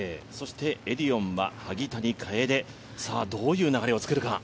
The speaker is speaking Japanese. エディオンは萩谷楓、どういう流れを作るか。